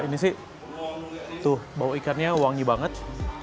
ini sih tuh bau ikannya wangi banget